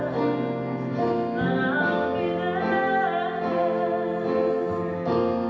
สนุกแค่มีหนู